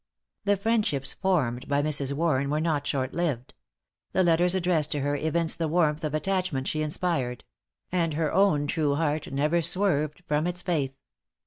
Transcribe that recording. The friendships formed by Mrs. Warren were not short lived. The letters addressed to her evince the warmth of attachment she inspired; and her own true heart never swerved from its faith.